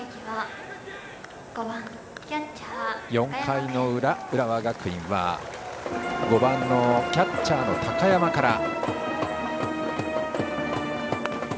４回の裏、浦和学院は５番のキャッチャーの高山から。